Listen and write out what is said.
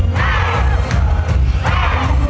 แพ้ไว้